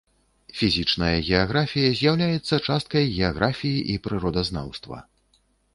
Фізічная геаграфія з'яўляецца часткай геаграфіі і прыродазнаўства.